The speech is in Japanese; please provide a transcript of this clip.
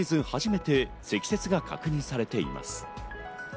初めて積雪が確認されています。